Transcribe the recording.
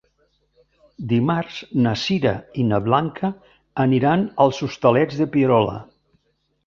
Dimarts na Sira i na Blanca aniran als Hostalets de Pierola.